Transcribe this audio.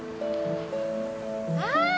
ああ！